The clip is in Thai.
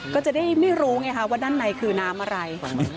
ก็จะได้ไม่รู้ไงคะว่าด้านในคือน้ำอะไร